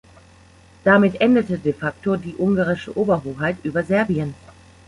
Damit endete de facto die ungarische Oberhoheit über Serbien.